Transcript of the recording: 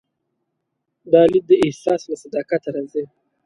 دا لید د احساس له صداقت راځي.